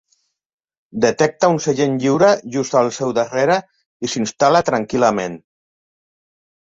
Detecta un seient lliure just al seu darrere i s'hi instal·la tranquil·lament.